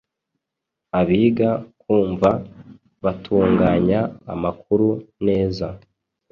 Abiga kumva batunganya amakuru neza